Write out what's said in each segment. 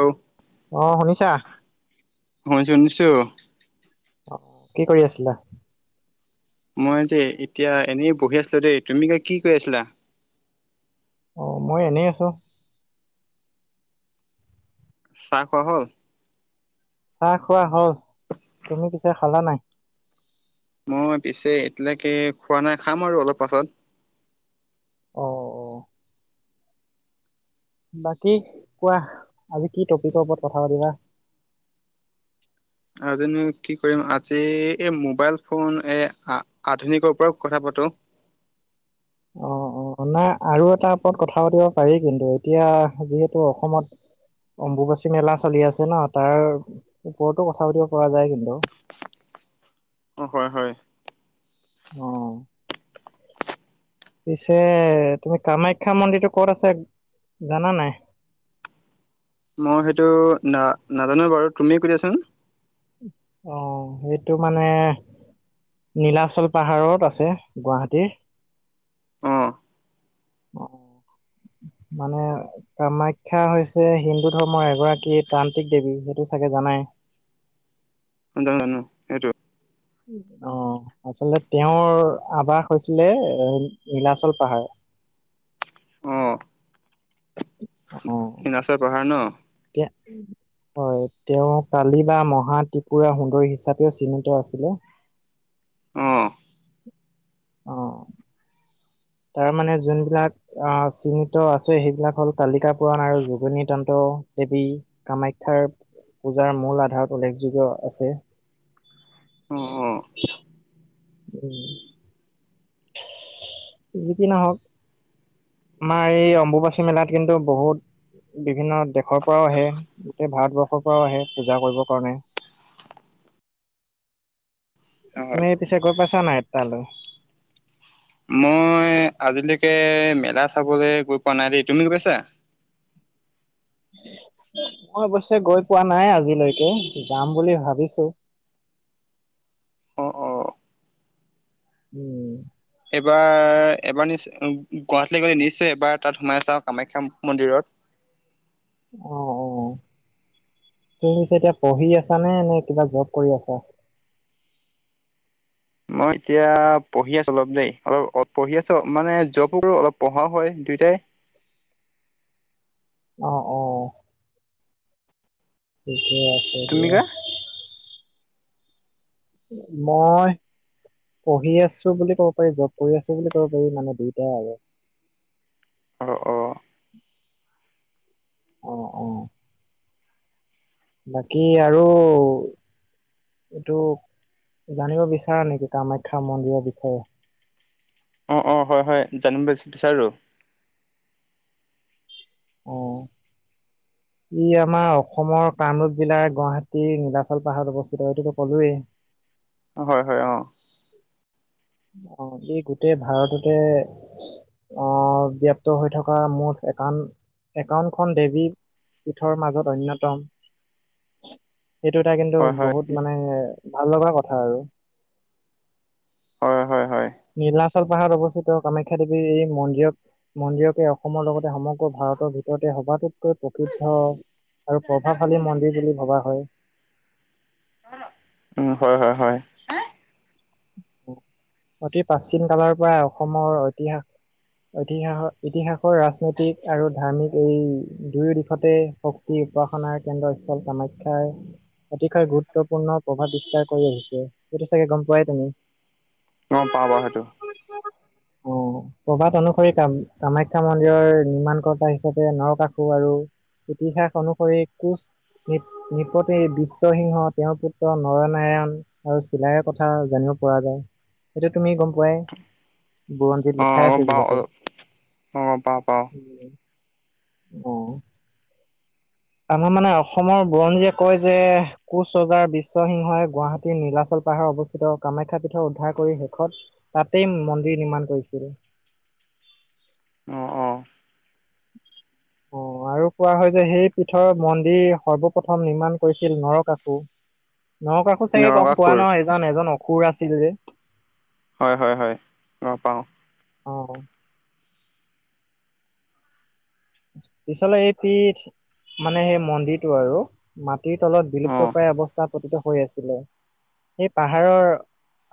অ, অ, শুনিছা? শুনিছোঁ শুনিছোঁ। অ, কি কৰি আছিলা। মই যে এতিয়া এনেই বহি আছিলো দেই তুমি কে কি কৰি আছিলা। অ, মই এনেই আছো। চাহ খোৱা হ'ল। চাহ খোৱা হ'ল তুমি পিছে খালা নাই? মই পিছে এতিয়ালৈকে খোৱা নাই খাম আৰু অলপ পাছত। অ, অ, বাকী কোৱা আজি কি টপিকৰ ওপৰত কথা পাতিবা। আৰুজন কি কৰিম আজি এই মোবাইল ফোন এ আধুনিকৰ পৰাও কথা পাতো। অ, অ, নাই আৰু এটা ওপৰত কথা পাতিব পাৰি কিন্তু এতিয়া যিহেতু অসমত। অম্বুবাচী মেলা চলি আছে ন, তাৰ ওপৰতো কথা পাতিব পৰা যায় কিন্তু। অ, হয় হয়। অ পিছে তুমি কামাখ্যা মন্দিৰতটো ক'ত আছে জানা নাই? মই সেইটো না নাজানো বাৰু তুমি কয় দিয়া চোন। অ, সেইটো মানে। নীলাচল পাহাৰত আছে গুৱাহাটীৰ। অ অ, মানে। কামাখ্যা হৈছে হিন্দু ধৰ্মৰ এগৰাকী তান্ত্ৰিক দেৱী সেইটো চাগে জানাই। [unintelligible] অ, আচলতে তেওঁৰ আৱাস হৈছিলে এ নীলাচল পাহাৰ। অ, অ, নীলাচল পাহাৰ ন, [inaudible] হয় তেওঁ কালি বা মহা ত্ৰিপুৰা সুন্দৰ হিচাপেও চিহ্নিত আছিলে। [unintelligible] অ, অ, তাৰমানে যোনবিলাক। আহ চিহ্নিত আছে সেইবিলাক হ'ল কালিকা পুৰাণ আৰু যোগনী তন্ত দেৱী। কামাখ্যাৰ পূজাৰ মূল আধাৰত উল্লেখযোগ্য আছে। অ উম, যিকি নহক। আমাৰ এই অম্বুবাচী মেলাত কিন্তু বহুত। বিভিন্ন দেশৰ পৰাও আহে, গোটেই ভাৰতবৰ্ষৰ পৰাও আহে, পূজা কৰিবৰ কাৰণে অ হয় তুমি পিছে, গৈ পাইছা নাই তালৈ? মই, আজিলৈকে, মেলা চাবলৈ গৈ পোৱা নাই, দেই তুমি গৈছা? মই, অৱশ্যে গৈ পোৱা নাই, আজিলৈকে যাম বুলি ভাবিছো। অ', অ', উম, এইবাৰ, এবাৰ, নি গুৱাহাটল গলে নিশ্চয়, এবাৰ তাত সোমাই আছা আৰু কামাখ্যা মন্দিৰত। অ', তুমি পিছে এতিয়া, পঢ়ি আছা নে নে কিবা জব কৰি আছা মই এতিয়া, পঢ়ি আছো অলপ দেই, অলপ অ', পঢ়ি আছো মানে, জবো কৰোঁ অলপ পঢ়াও হয় দুয়োটাই অ', তুমি কা [unintelligible] মই, পঢ়ি আছো বুলি ক'ব পাৰি, জব কৰি আছো বুলি ক'ব পাৰি মানে দুইটাই আৰু অ', অ', অ', বাকী, আৰু এইটো, জানিব বিচাৰা নেকি, কামাখ্যা মন্দিৰৰ বিষয়ে অ', অ', হয়, হয়, জানম বি বিচাৰো- অ', ই, আমাৰ অসমৰ কামৰূপ জিলাৰ, গুৱাহাটীৰ নীলাচল পাহাৰ অৱস্থিত এইটোতো ক'লোৱেই হয়, হয়, অ', অ', ই গোটেই ভাৰততে আহ [unintelligible] হৈ থকা মঠ একাউণ্ট একাউণ্টখন দেবি পীঠৰ মাজত অন্যতম সেইটো এটা কিন্তু, হয় হয় বহুত মানে ভাল লগা কথা আৰু হয়, হয়, হয় নীলাচল পাহাৰত অৱস্থিত, কামাখ্যা দেৱীৰ এই মন্দিৰত। মন্দিৰকে, অসমৰ লগতে সমগ্ৰ ভাৰতৰ ভিতৰতে সবাতোতকৈ প্ৰসিদ্ধ আৰু প্ৰভাৱশালী মন্দিৰ বুলি ভবা হয়। উ, হয়, হয়, হয়, অতি, প্ৰাচীন কালৰ পৰা অসমৰ ঐতিহাস ইতিহাসৰ, ইতিহাসৰ, ৰাজনৈতিক আৰু ধাৰ্মিক এই দুয়ো দিশতে। শক্তি উপাসনাৰ কেন্দ্ৰস্থল কামাখ্যাৰ। অতিশয় গুৰুত্বপূৰ্ণৃ, প্ৰভাৱ বিস্তাৰ কৰি আহিছে সেইটো চাগে গম পোৱাই তুমি অ', বাৰু সেইটো অ', প্ৰভাত অনুসৰি, কাম কামাখ্যা মন্দিৰৰ, নিৰ্মাণকৰ্তা হিচাপে নৰকাসু আৰু ইতিহাস অনুসৰি কোচ নপটে বিশ্বসিংহ তেওঁৰ পুত্ৰ নৰনাৰায়ণ, আৰু চিলাই কথা জানিব পৰা যায়, সটো তুমি গম পোৱাই বুৰঞ্জিত, অ লিখাই গম আছে পাওঁ যিহেতু অলপ অ গম পাওঁ পাওঁ অ', আমাৰ মানে, অসমৰ বুৰঞ্জীয়ে কয় যে কোচ ৰজাৰ, বিশ্বসিংহই গুৱাহাটীৰ নীলাচল পাহাৰৰ অৱস্থিত কামাখ্যা পীঠৰ উদ্ধাৰ কৰি শেষত তাতে, মন্দিৰ নিৰ্মাণ কৰিছিল। অ', অ', অ', আৰু কোৱা হয়, যে সেই পীঠৰ মন্দিৰ সৰ্বপ্ৰথম নিৰ্মাণ কৰিছিল নৰকাকু নৰকাসোকো চাগে গম পোৱা নৰকাসুৰ ন, এজনান এজন অসুৰ আছিল যে হয়, হয়, হয়, গম পাওঁ। অ পিছালে এই প মানে সেই মন্দিৰটো আৰু মাটিৰ তলত অ বিলুপ্তপায় অৱস্থা পতিত হৈ আছিলে সেই পাহাৰৰ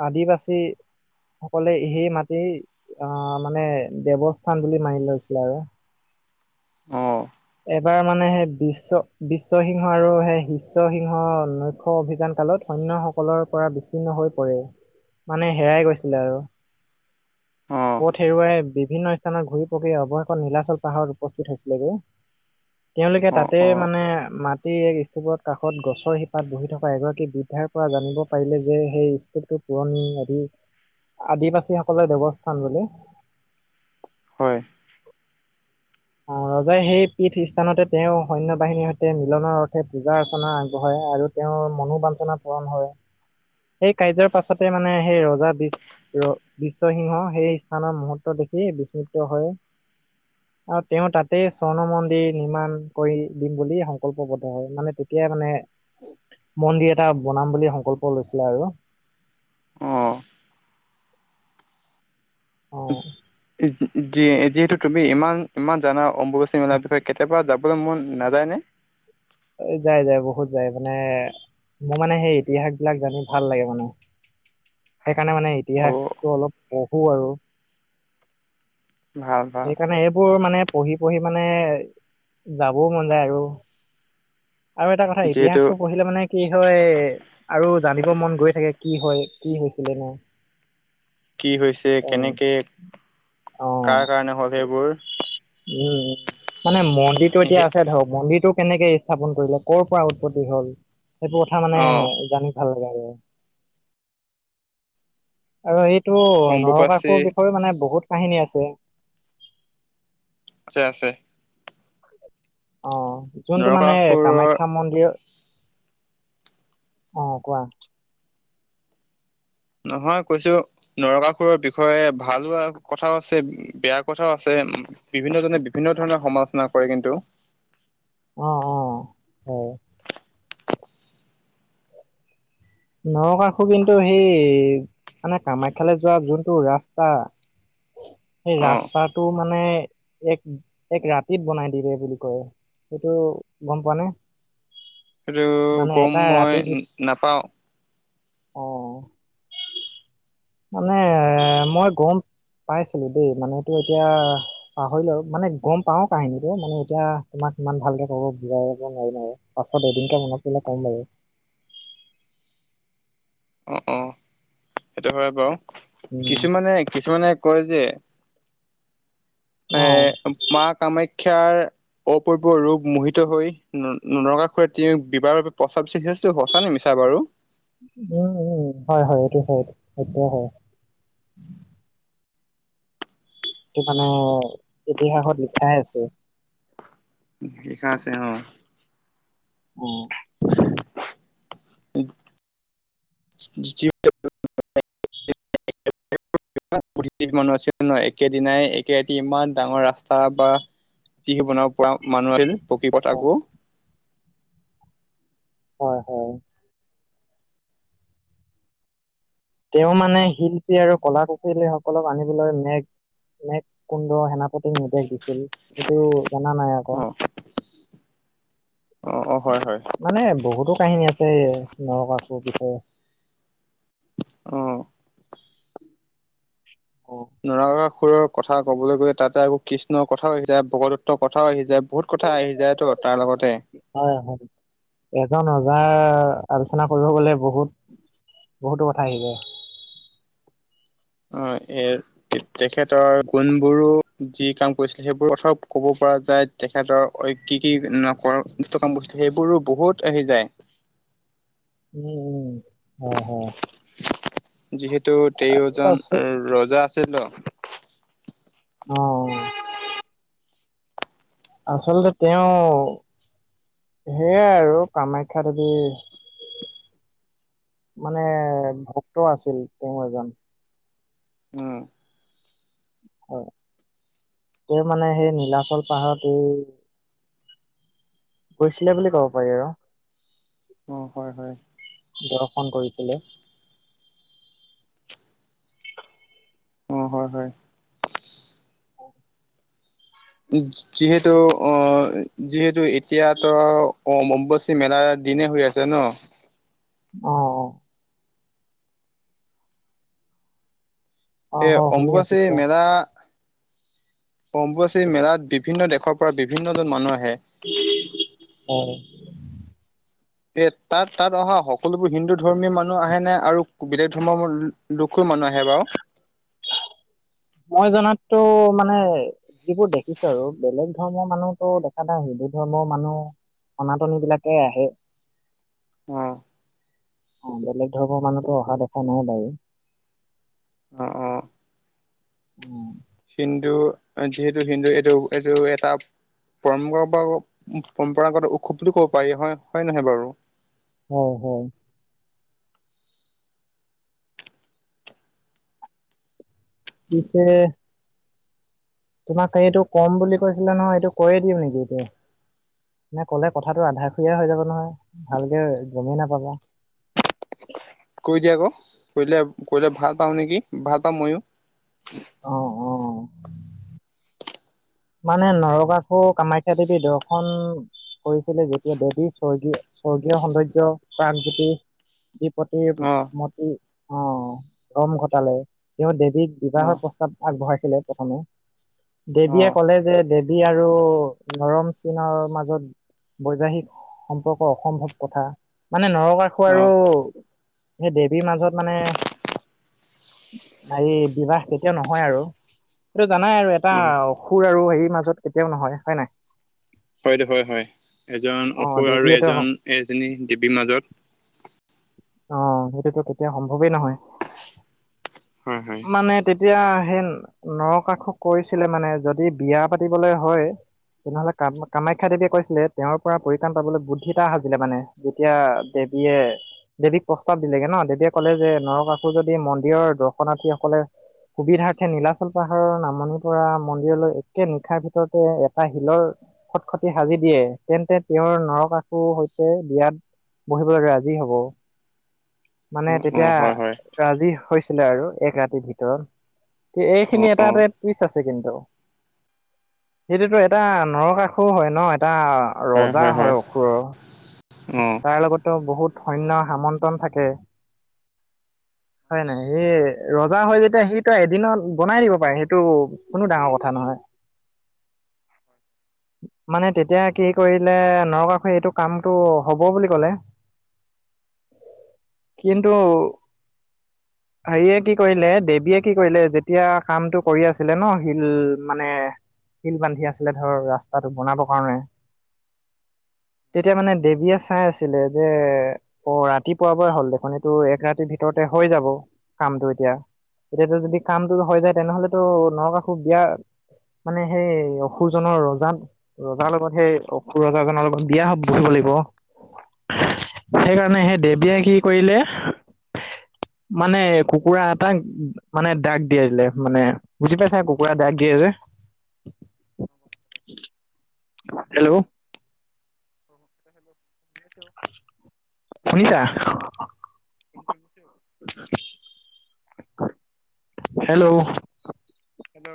আদিবাসী সকলে সেই মাটিৰ অ মানে দেৱস্থান বুলি মানি লৈছিলে আৰু অঁ এবাৰ মানে সেই বিশ্ব বিশ্বসিংহ আৰু সেই শিষ্যসিংহ লক্ষ্য় অভিযান কালত সৈন্যসকলৰ পৰা বিচ্ছিন্ন হৈ পৰে মানে হেৰাই গৈছিলে আৰু অ পথ হেৰুৱাই বিভিন্ন স্থানত ঘূৰি পকি অৱশেষত নীলাচল পাহৰ উপস্থিত হৈছিলেগৈ তেওঁলোকে অ তাতে অ মানে মাটিৰ এক স্তুপত কাষত গছৰ শিপাত বহি থকা এগৰাকী বৃদ্ধাৰ পৰা জানিব পাৰিলে যে সেই স্তপটো পুৰণি আদি আদিবাসী সকলৰ দেৱস্থান বোলে হয় ৰজাই সেই পীঠ স্থানতে তেওঁ সৈন্য বাহিনীৰ সৈতে মিলনৰ অৰ্থে পূজা অৰ্চনা আগবঢ়ায় আৰু তেওঁৰ মনোবাঞঞ্চনা পূৰণ হয় সেই কাৰ্যৰ পাছতে মানে সেই ৰজা বীজ ৰ বিশ্বসিংহ সেই স্থানৰ মুহূৰ্ত দেখি বিস্মিত হয় আৰু তেওঁ তাতে স্বৰ্ণ মন্দিৰ নিৰ্মাণ কৰি দিম বুলি সংকল্প বদ্ধ হয় মানে তেতিয়াই মানে মন্দিৰ এটা বনাম বুলি সংকল্প লৈছিলে আৰু অঁ অ উ যিহেতু তুমি ইমান ইমান জানা অম্বুবাচী মেলাৰ বিষয়ে কেতিয়াবা যাবলৈ মন নাযায়নে যাই যাই বহুত যায় মানে মোৰ মানে সেই ইতিহাস বিলাক জানি ভাল লাগে মানে সেইকাৰণে মানে অ' ইতিহাসটো অলপ পঢ়ো আৰু ভাল ভাল সেইকাৰণে এইবোৰ মানে পঢ়ি পঢ়ি মানে যাবও মন যায় আৰু আৰু এটা কথা যিহেতু ইতিহাসটো পঢ়িলে মানে কি হয় আৰু জানিব মন গৈ থাকে কি হয় কি হৈছিলে নে কি হৈছে কেনেকৈ অ'। কাৰ কাৰণে হ'ল সেইবোৰ উম মানে মন্দিৰটো এতিয়া সেই- আছে ধৰক মন্দিৰটো কেনেকে স্থাপন কৰিলে কৰ' পৰা উৎপত্তি হল সেইবোৰ কথা মানে অ' জানি ভাল আৰু সেইটো অম্বুবাচী নৰকাকোৰ মানে বহুত কাহিনী আছে আছে আছে অ যোনটো মানে নৰকাসুৰৰ কামাখ্যা মন্দিৰত অ কোৱা নহয় কৈছো নৰকাসুৰৰ বিষয়ে ভাল কথাও আছে বেয়া কথাও আছে বিভিন্ন জনে বিভিন্ন ধৰণৰ সমালোচনা কৰে কিন্তু অ অ হয় নৰকষু কিন্তু সেই মানে কামাখ্যালৈ যোৱা যোনটো ৰাস্তা সেই অ' ৰাস্তাটো মানে এক এক ৰাতিত বনাই দিবে বুলি কয় সেইটো গম প নে আৰু মানে গম এটা মই ৰাতিৰ ভিত নাপাওঁ অ মানে মই গম পাইছিলো দেই মানে এইটো এতিয়া পাহৰিলও মানে গম পাও কাহিনীটো মানে এতিয়া তোমাক ইমান ভালকে কব বুজাই লব নোৱাৰিম আৰু পাছত এদিনকে মনত পিললে কম বাৰু অ অ সেইটো হয় বাৰু উম কিছুমানে কিছুমানে কয় যে অ এ মা কামাখ্যাৰ অপূপূ ৰোগ মোহিত হৈ ন নৰগা খুৰা বিবাৰৰ বাবে পচাবিছে শেষ টো সঁচা নি মিছা বাৰু উম উম হয় হয় এইটো হয় সেইটোয়ে হয় কি মানে ইতিহাসত লিখাই আছে লিখা আছে অ', উম, [inaudible] [unintelligible] মানুহ আছিল ন' একেদিনাই একেৰাটি ইমান ডাঙৰ ৰাস্তা বা তিহি বনাব পৰা মানুহ আছিল পকী পতাকো হয়, হয়, তেওঁ মানে শিল্পী আৰু কলা কুশলী সকলক আনিবলৈ মেঘ [unintelligible] কুণ্ড সেনাপতিক নিৰ্দেশ দিছিল। সেইটো জানা নাই আকৌ। অ অ অ হয় হয় মানে বহুতো কাহিনী আছে এই নৰকাসুৰ বিষয়ে। অ অ', নৰাকাসুৰৰ কথা ক'বলৈ গ'লে, তাতে আকৌ কৃষ্ণৰ কথাও আহি যায়, ভগদত্তৰ কথাও আহি যায় বহুত কথা আহি যায় তো তাৰ লগতে অ', হয়, এজন ৰজাৰ আলোচনা কৰিব গলে বহুত বহুতো কথা আহি যায়। হয়, এ তেখেতৰ গুণবোৰো যি কাম কৰিছিল সেইবোৰ কথাও ক'ব পৰা যায়। তেখেতৰ অই কি কি নকৰ [unintelligible] সেইবোৰো বহুত আহি যায়। উম, উম, হয়, হয়, যিহেতু তেওঁ আৰু এজন আছে ৰজা আছিল ন' অ', আচলতে তেওঁ সেয়াই আৰু কামাখ্যা দেৱী মানে ভক্ত আছিল তেওঁ এজন। উম, হয়, তেওঁ মানে সেই নীলাচল পাহাৰত এই গৈছিলে বুলি ক'ব পাৰি আৰু অ', হয়, হয়, দৰ্শন কৰিছিলে অ', হয়, হয়, যিহেতু অ', যিহেতু এতিয়াতো অম্ব মেলাৰ দিনে হৈ আছে ন'? অ', অ', অ এই অ শুনি আছো অম্বুবাচী কোৱা মেলা অম্বুবাচী মেলাত বিভিন্ন দেশৰ পৰা বিভিন্নজন মানুহ আহে। হয়, এ তাত তাত অহা সকলোবোৰ হিন্দু ধৰ্মীয় মানুহ আহে নে আৰু বেলেগ ধৰ্মৰ লোকো মানুহ আহে বাৰু মই জনাততো মানে যিবোৰ দেখিছো আৰু বেলেগ ধৰ্মৰ মানুহতো দেখা নাই হিন্দু ধৰ্মৰ মানুহ সনাতনী বিলাকে আহে। অ', অ', বেলেগ ধৰ্মৰ মানুহটো অহা দেখা নাই বাৰু। অ', অ', উম, হিন্দু যিহেতু হিন্দু এইটো এইটো এটা পৰম্পৰা বা পৰম্পৰাগত উৎসৱ বুলি ক'ব পাৰি হয় হয় নহয় বাৰু? হয়, হয়, পিছে তোমাক এইটো কম বুলি কৈছিলে নহয় এইটো কৰি দিও নেকি এতিয়াই। এনে কলে কথাটো আধা খিনিহে হৈ যাব নহয় ভালকে গমেই নাপাবা। কৈ দিয়া আকৌ কৈ দিলে কৈ দিলে ভাল পাওঁ নেকি ভাল পাওঁ ময়ো। অ', অ'। মানে নৰকাসুৰ, কামাখ্যা দেৱী দৰ্শন কৰিছিলে যেতিয়া দেৱীৰ স্বৰ্গীয় স্বৰ্গীয় সৌন্দৰ্য প্ৰাণজ্যোতি যি প্ৰতি অ মূত্তী ৰম ঘটালে তেওঁ দেৱীক অ বিবাহৰ প্ৰস্তাৱ আগবঢ়াইছিলে প্ৰথমে, অ দেৱীয়ে ক'লে যে দেৱী আৰু নৰম চিনৰ মাজত বৈবাহিক সম্পৰ্ক অসম্ভৱ কথা মানে নৰকাসুৰ অ হয় আৰু সেই দেৱীৰ মাজত মানে হেৰি বিবাহ কেতিয়াও নহয় আৰু সেইটো জানাই আৰু এটা সুৰ আৰু হেৰিৰ মাজত কেতিয়াও নহয় হয় নে নাই। হয় দে হয় হয়। এজন অ অসুৰ আৰু দেৱীয়েতো এজন এজনী দেৱীৰ মাজত অ' সেইটোতো কেতিয়াও সম্ভৱেই নহয় হয় হয় মানে তেতিয়া সেই নৰকাসুৰক কৈছিলে মানে যদি বিয়া পাতিবলৈ হয় তেনেহ'লে কামাখ্যা দেৱীয়ে কৈছিলে তেওঁৰ পৰা পৰিত্ৰাণ পাবলৈ বুদ্ধি এটা সাজিলে মানে যেতিয়া দেৱীয়ে দেৱীক প্ৰস্তাৱ দিলেগে ন, দেৱীয়ে ক'লে যে নৰকাসুৰে যদি মন্দিৰৰ দৰ্শনাৰ্থীসকলে সুবিধাৰ্থে নীলাচল পাহাৰৰ নামনিৰ পৰা মন্দিৰলৈ একে নিশাৰ ভিতৰতে এটা শিলৰ খটখটি সাজি দিয়ে তেন্তে তেওঁৰ নৰকাসুৰৰ সৈতে বিয়াত বহিব লে ৰাজী হ'ব। মানে অ অ তেতিয়া হয় হয় ৰাজী হৈছিলে আৰু এক ৰাতিৰ ভিতৰত অ এইখিনি অ এটাতে টুইষ্ট আছে কিন্তু সেইটোতো এটা নৰকাসুৰ হয় ন এটা ৰজা হয় অসুৰৰ অ তাৰ লগততো বহুত সৈন্য সামন্ত্ৰন থাকে। হয় নাই? সি ৰজা হয় যেতিয়া সিটো এদিনত বনাই দিব পাৰে সেইটো কোনো ডাঙৰ কথা নহয়। মানে তেতিয়া কি কৰিলে নৰকাসুৰে এইটো কাম এইটো হ'ব বুলি ক'লে কিন্তু [inaudible] হেৰিয়ে কি কৰিলে দেৱীয়ে কি কৰিলে যেতিয়া কামটো কৰি আছিলে ন শিল মানে শিল বান্ধি আছিলে ধৰ ৰাস্তাটো বনাবৰ কাৰণে। তেতিয়া মানে দেৱীয়ে চাই আছিলে যে অ' ৰাতিপুৱাবৰে হ'ল দেখোন এইটো এক ৰাতিৰ ভিতৰতে হৈ যাব কামটো এতিয়া এতিয়া যদি কামটো হৈ যায় তেনেহ'লেতো নকাসুৰ বিয়া মানে সেই অসুৰজনৰ ৰজা, ৰজাৰ লগত সেই অসুৰ ৰজাজনৰ লগত বিয়া হ'ব। [unintelligible] সেইকাৰণে সেই দেৱীয়ে কি কৰিলে মানে কুকুৰা এটাক মানে দাক দিয়াই দিলে মানে বুজি পাইছা নাই কুকুৰাই দাক দিয়ে যে [inaudible] হেল্ল'। [inaudible] শুনিছা? কজছ হেল্ল, সটো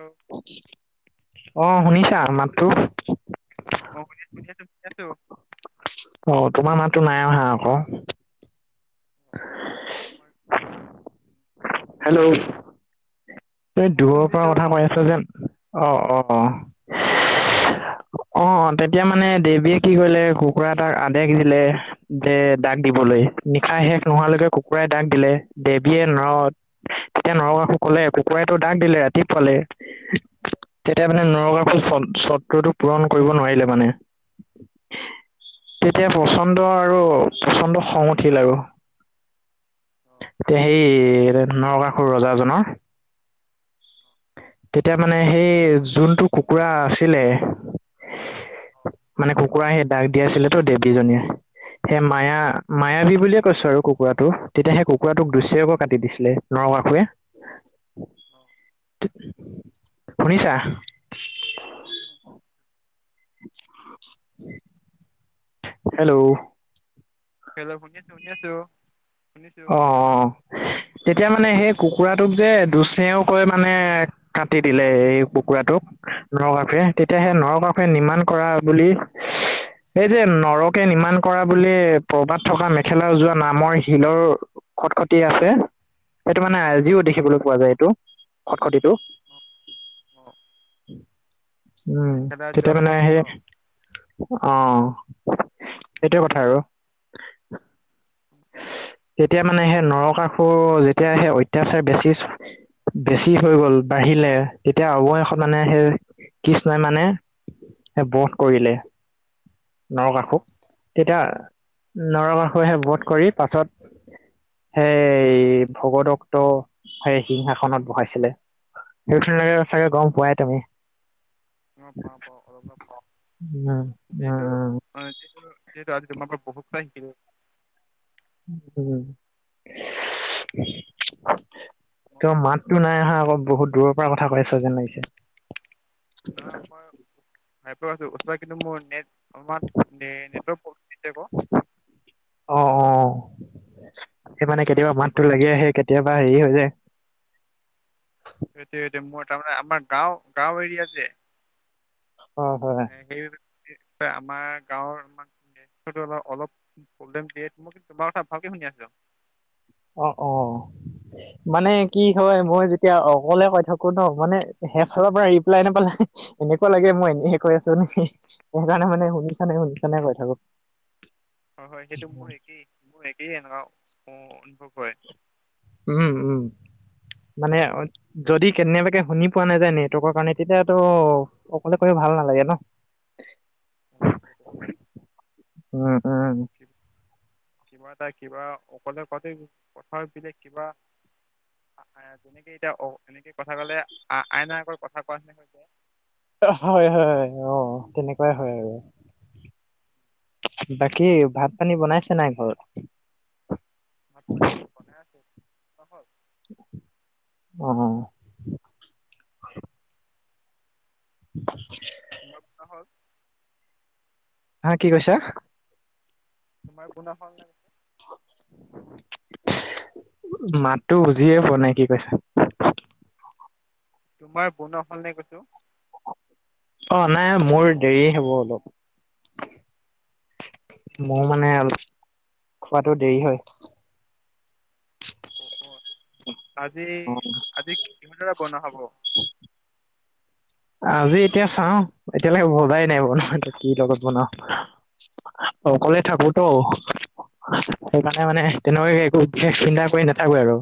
অ, শুনিছ শুনি আছো অ, শুনি আছো শুনি আছো শুনি আছো অ, তোমাৰ মাততো নাই অহা আকৌ। অ, অ, মানে হেল্ল, অ তই শুনিছো দূৰৰ পৰা শুনিছো কথা পাৰি আছ যেন অ, অ, অ, অ, তেতিয়া মানে দেৱীয়ে কি কৰিলে কুকুৰা এটাক আদেেশ দিলে। যে দাগ দিবলৈ নিশা শেষ নোহোৱালৈকে কুকুৰাই দাগ দিলে দেৱীয়ে ন তেতিয়া নৰকাসুৰ সকলে কুকুৰাইতটো দাগ দিলে ৰাতিপুৱালে তেতিয়া মানে নৰকাসুৰ চত্ৰটো পূৰণ কৰিব নোৱাৰিলে মানে। তেতিয়া পচন্দ আৰু পচন্দ খং উঠি লে আৰু। এতিয়া সেই এ, নৰকাষুৰ ৰজাজনৰ। তেতিয়া মানে সেই যোনটো কুকুৰা আছিলে মানে কুকুৰা সেই দাগ দিয় আছিল তো দেৱীজনীয়ে। সেই মায়া মায়াবী বুলিয়ে কৈছো আৰু কুকুৰাটো তেতিয়া সেই কুকুৰাটোক দুচৰেক কৈ কাটি দিছিলে। নৰকাসুৰে। অ'। শুনিছা? [inaudible] হেল্ল'। হেল্ল'। শুনি আছো শুনি আছো। শুনিছো অ', অ', তেতিয়া মানে সেই কুকুৰাটোক যে দুচেও কৈ মানে কাটি দিলে এই কুকুৰাটোক নৰ কাফেৰে তেতিয়া অ সেই নৰ কাফৰে নিমান কৰা বুলি এই যে নৰকে নিৰ্মাণ কৰা বুলি পৰ্বাত থকা মেখেলা উ যোৱা নামৰ শিলৰ খট খটিটো আছে সেইটো মানে আজিও অ দেখিবলৈ পোৱা যায় এইটো খট খটিটো অ অ উম, মেখেলা তেতিয়া মানে সেই যোৱা অ অ', সেইটোয়ে কথা আৰু উ অ'। তেতিয়া মানে সেই নৰকাসুৰ যেতিয়া সেই অত্যাচাৰ বেছি বেছি হৈ গ'ল বাঢ়িলে তেতিয়া অৱশেষ মানে সেই কৃষ্ণ নাই মানে সেই বধ কৰিলে অ অ নৰকাসুক তেতিয়া নৰকাসুহে বধ কৰি পাছত সেই ভগদক্ত সেই সিংহাসনত বহাইছিলে সেইটোৱে চাগে গম পোৱাই তুমি অ', পাওঁ, পাওঁ অলপ অলপ পাওঁ উম যিহেতু উম উম অ' যিহেতু আজি আম পৰা বহুত কথা শিকিলো [unintelligible] ত মাততো নাই অহা আকৌ বহুত দূৰৰ পৰা কথা কৈ আছা যেন লাগিছে। মই [unintelligible] কিন্তু মোৰ নেট নেট প্ৰব্লেম অ', অ', সেই মানে সেইটো কাৰণে কেতিয়াবা দৌৰিব মাতটো পাৰিছো লাগি আহে কেতিয়াবা হেৰি হৈ যায়। সেইটো স মোৰ তাৰমানে আমাৰ গাঁও গাঁও এৰিয়া যে হয়, হয়। সেই আমাৰ গাঁৱৰ আম অলপ দিয় মই কিন্ত তোমাৰ কথা ভালকে শুনি আছোঁ। অ', অ'। মানে কি হয় মই যেতিয়া অকলে কৈ থাকো ন মানে শেষফালৰ পৰা ৰিপ্লাই নাপালে এনেকুৱা লাগে মই এনে কৈ আছো নেকি সেইকাৰণে মানে শুনিছা নে শুনিছ নে কৈ থাকো। হয়, হয় সেইটো মোৰ একেই মোৰ একেই এনেকুৱা অনুভৱ হয়। উম, উম মানে যদি কেনেবাকে শুনি পোৱা নাযায় নেটৱৰ্কৰ কাৰণে তেতিয়াতো অকলে ক ভাল নালাগে ন [unintelligible] উম উম [inaudible] কিবা এটা কিবা অকলে কতে কথাৰ বিলাক কিবা যেনেকে এতিয়া অ', এনেকে কথা কলে আইন আগত কথা কোৱাচিনি হৈছে হয়, হয়, হয় অ', তেনেকুৱাই হয় আৰু বাকী ভাত পানী বনাইছে নাই ঘৰত ভাত পানী বনাই আছে ন [unintelligible] অ', অ'। [unintelligible] তোমাৰ কি হল হা কি কৈছা। তোমাৰ পুনা সং [unintelligible] [inaudible] মাতটো বুজিয়ে পোৱা নাই কি কৈছা। তোমাৰ বনোৱা হ'ল নে কৈছো। অ', নাই মোৰ দেৰি হ'ব অলপ। মই মানে অলপ খোৱাটো দেৰি হয়। অ', আজি অ আজি কিমান দৰে বনোৱা হ'ব। আজি এতিয়া চাও এতিয়ালৈকে বনোৱাই নাই বনোৱাটো কি লগত বনাও। অকলে থাকোতো। সেইকাৰণে মানে তেনেকৈ একো বিশেষ চিন্তা কৰি নাথাকো আৰু।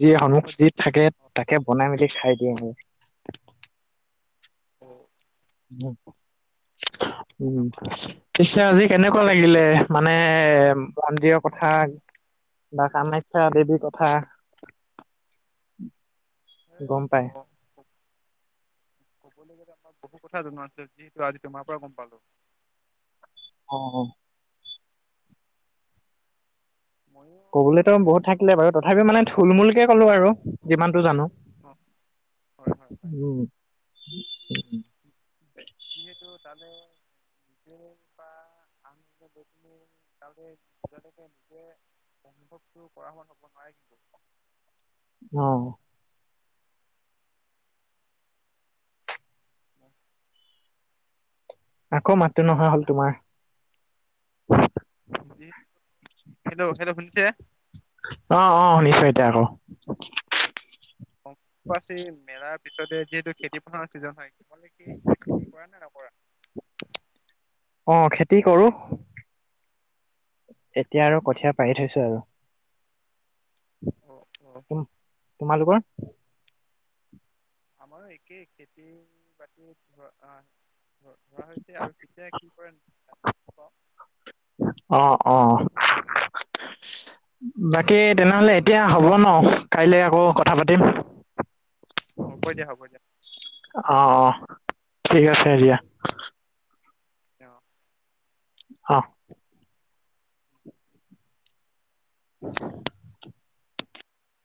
যি হ'ব যি থাকে থাকে তাকে বনাই মেলি খাই দিও আৰু। উম। উম, আমাৰ পিছে আজি কেনেকুৱা লাগিলে? মানে মন্দিৰৰ কথা বা কামাখ্যা দেৱীৰ কথা। গম পায়। ক'বলৈ গ'লে আমাক বহু কথা জনোৱা আছে যিহেতু আজি তোমাৰ পৰা গম পালো। অ', হয়। মইও। কবলৈতো বহুত থাকিলে বাৰু তথাপিও মানে থুলমূলকে ক'লো আৰু যিমানটো জানো। অ', হয়, হয়, হয়। উম যিহেতু তালে নিজে বা আমে ব নিজে [unintelligible] অভৱো কৰা হোৱা হ'ব নোৱাৰে কিন্তু [unintelligible] অ'। [inaudible] আকৌ মাতটো নহা হ'ল তোমাৰ। হেল্ল' হেল্ল' শুনিছে? অ', অ', শুনিছো এতিয়া আকৌ। [unintelligible] মেলাৰ পিছতে যিহেতু খেতি পথাৰৰ চিজন হয়। মানে কি এতিয়া খেতি কৰা নে নকৰা? অ', খেতি কৰো। এতিয়া আৰু কঠিয়া পাৰি থৈছো আৰু। অ', অ'। তুম তোমালোকৰ? আমাৰো একেই খেতি বাতি ধ-ধৰা হৈছে আৰু কেতিয়া কি [unintelligible] অ', অ'। বাকী তেনেহ'লে এতিয়া হ'ব ন কাইলে আকৌ কথা পাতিম। হ'ব দিয়া হ'ব দিয়া। অ', অ', ঠিক আছে দিয়া। অ'। অ'। [inaudible]